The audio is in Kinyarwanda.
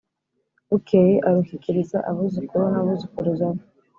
bukeye arushyikiriza abuzukuru n'abuzukuruza be.